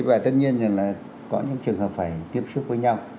và tất nhiên là có những trường hợp phải tiếp xúc với nhau